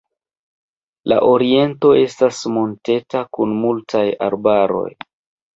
La oriento estas monteta kun multaj arbaroj.